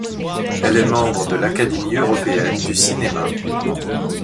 Elle est membre de l'Académie européenne du cinéma.